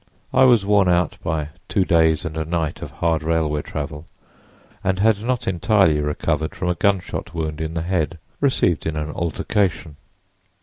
I was worn out by two days and a night of hard railway travel and had not entirely recovered from a gunshot wound in the head, received in an altercation.